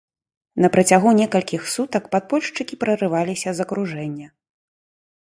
На працягу некалькіх сутак падпольшчыкі прарываліся з акружэння.